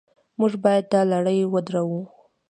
موږ باید دا لړۍ ودروو.